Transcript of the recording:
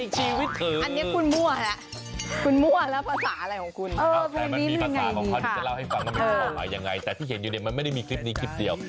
จะเล่าให้ฟังว่าไงแต่ที่เห็นอยู่นี้มันไม่ได้มีคลิปนี้คลิปเดียว